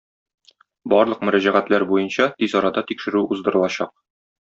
Барлык мөрәҗәгатьләр буенча тиз арада тикшерү уздырылачак.